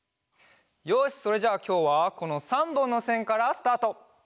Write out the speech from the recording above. よしそれじゃあきょうはこの３ぼんのせんからスタート！